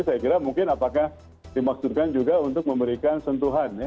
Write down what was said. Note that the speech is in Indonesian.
saya kira mungkin apakah dimaksudkan juga untuk memberikan sentuhan ya